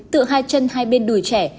tựa hai chân hai bên đùi trẻ